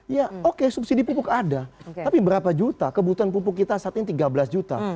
ya oke subsidi pupuk ada tapi berapa juta kebutuhan pupuk kita saat ini tiga belas juta